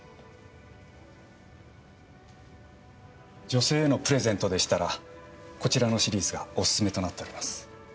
女性へのプレゼントでしたらこちらのシリーズがお薦めとなっております。